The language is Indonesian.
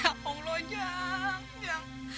ya allah jang